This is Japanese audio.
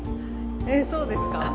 えッそうですか？